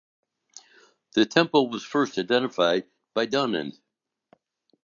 The temple was first identified by Dunand.